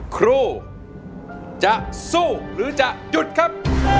ครูจะสู้หรือจะหยุดครับ